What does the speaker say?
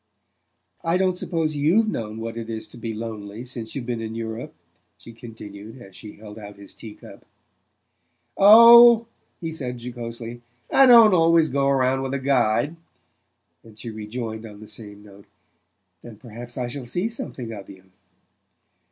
"I don't suppose YOU'VE known what it is to be lonely since you've been in Europe?" she continued as she held out his tea cup. "Oh," he said jocosely, "I don't always go round with a guide"; and she rejoined on the same note: "Then perhaps I shall see something of you."